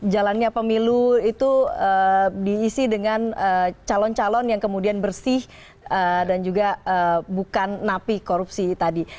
jalannya pemilu itu diisi dengan calon calon yang kemudian bersih dan juga bukan napi korupsi tadi